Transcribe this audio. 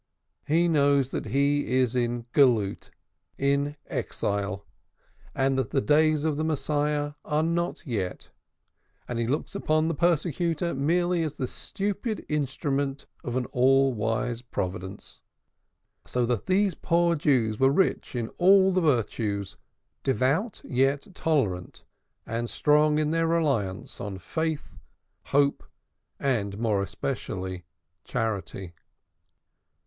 He knows that he is in Goluth, in exile, and that the days of the Messiah are not yet, and he looks upon the persecutor merely as the stupid instrument of an all wise Providence. So that these poor Jews were rich in all the virtues, devout yet tolerant, and strong in their reliance on Faith, Hope, and more especially Charity.